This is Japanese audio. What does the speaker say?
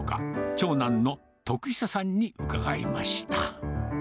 長男の徳久さんに伺いました。